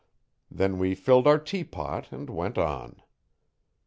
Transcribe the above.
Then we filled our teapot and went on.